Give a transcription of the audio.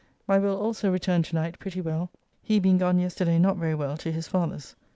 My Will also returned to night pretty well, he being gone yesterday not very well to his father's.